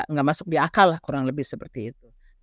nggak masuk di akal lah kurang lebih seperti itu